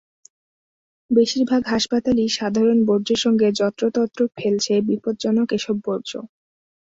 বেশির ভাগ হাসপাতালই সাধারণ বর্জ্যের সঙ্গে যত্রতত্র ফেলছে বিপজ্জনক এসব বর্জ্য।